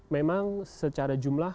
memang secara jumlah